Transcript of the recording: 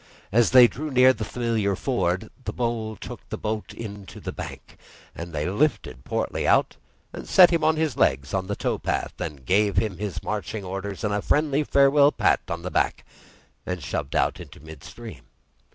As they drew near the familiar ford, the Mole took the boat in to the bank, and they lifted Portly out and set him on his legs on the tow path, gave him his marching orders and a friendly farewell pat on the back, and shoved out into mid stream.